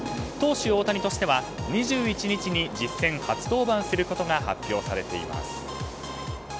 投手・大谷としては２１日に実戦初登板することが発表されています。